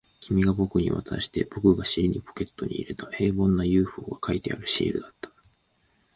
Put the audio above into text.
君が僕に渡して、僕が尻にポケットに入れた、平凡な ＵＦＯ が描いてあるシールだった